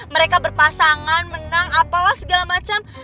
mereka berpasangan menang apalah segala macam